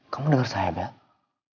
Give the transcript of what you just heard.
kamu denger saya bella